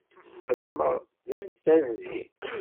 Xeddmeɣ d amsenzi.